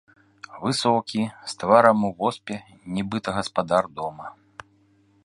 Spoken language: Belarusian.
Высокі, з тварам у воспе, нібыта гаспадар дома.